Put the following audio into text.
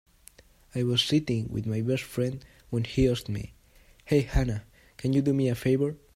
I was sitting with my best friend when he asked me, "Hey Hannah, can you do me a favor?"